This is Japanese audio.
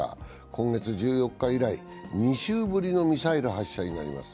今月１４日以来、２週ぶりのミサイル発射になります